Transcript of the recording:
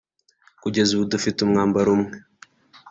kugeza ubu dufite umwambaro umwe